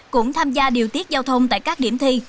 cũng tham gia điều tiết giao thông tại các điểm thi